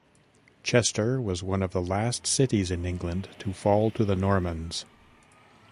Chester was one of the last cities in England to fall to the Normans.